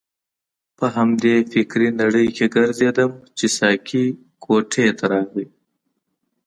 په همدې فکرې نړۍ کې ګرځیدم چې ساقي کوټې ته راغی.